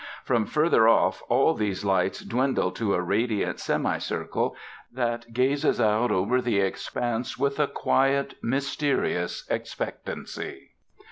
From further off all these lights dwindle to a radiant semicircle that gazes out over the expanse with a quiet, mysterious expectancy.